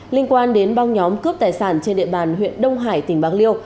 liên quan đến băng nhóm cướp tài sản trên địa bàn huyện đông hải tỉnh bạc liêu